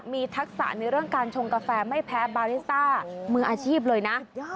มีทักษะในเรื่องการชงกาแฟไม่แพ้บาริสต้ามืออาชีพเลยนะ